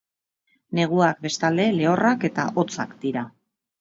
Neguak, bestalde, lehorrak eta hotzak dira.